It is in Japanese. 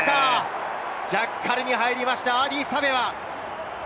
ジャッカルに入りました、アーディー・サヴェア。